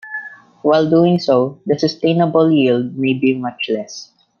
While doing so, the sustainable yield may be much less.